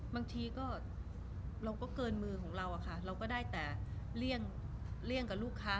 บางทีก็เราก็เกินมือของเราอะค่ะเราก็ได้แต่เลี่ยงกับลูกค้า